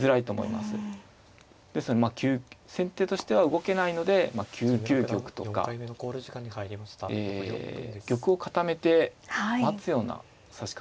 ですので先手としては動けないので９九玉とかえ玉を固めて待つような指し方になるのではないでしょうかね。